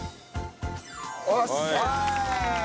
よっしゃー！